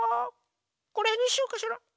これにしようかしら？